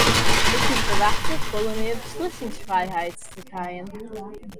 Ik hie ferwachte folle mear beslissingsfrijheid te krijen.